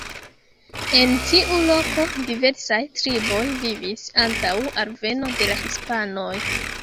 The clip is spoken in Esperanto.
En tiu loko diversaj triboj vivis antaŭ alveno de la hispanoj.